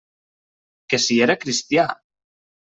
Que si era cristià?